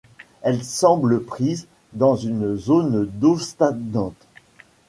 Elle semble prise dans une zone d’eau stagnante.